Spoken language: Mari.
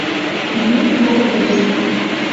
Йӱд мардеж